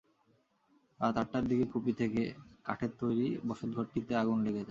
রাত আটটার দিকে কুপি থেকে কাঠের তৈরি বসতঘরটিতে আগুন লেগে যায়।